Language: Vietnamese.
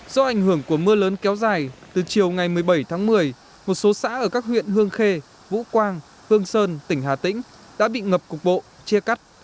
do ảnh hưởng của mưa lớn kéo dài từ chiều ngày một mươi bảy tháng một mươi một số xã ở các huyện hương khê vũ quang hương sơn tỉnh hà tĩnh đã bị ngập cục bộ chia cắt